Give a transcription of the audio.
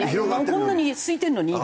こんなにすいてるのに？